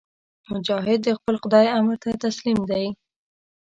مجاهد د خپل خدای امر ته تسلیم دی.